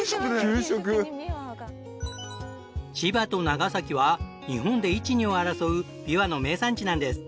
千葉と長崎は日本で１２を争うビワの名産地なんです。